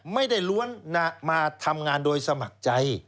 ไม่ได้ล้วนมาทำงานโดยสมัครใจ